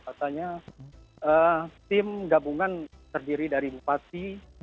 katanya tim gabungan terdiri dari bupati